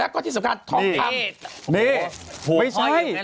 หนึ่งสลึง